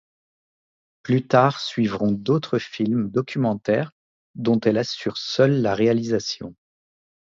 Plus tard suivront d'autres films documentaires dont elle assure seule la réalisation.